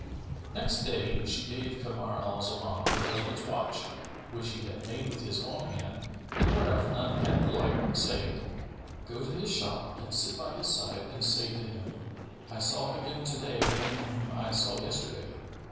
Next day, she gave Kamar al Zaman her husband's watch, which he had made with his own hand and whereof none had the like, saying, "Go to his shop and sit by his side and say to him, 'I saw again to day him whom I saw yesterday.